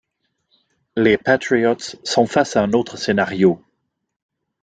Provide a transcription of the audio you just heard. Les Patriots sont face à un autre scénario.